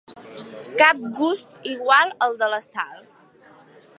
Cap gust igual al de la sal.